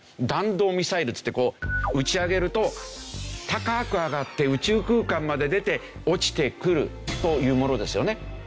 弾道ミサイルっていってこう打ち上げると高く上がって宇宙空間まで出て落ちてくるというものですよね。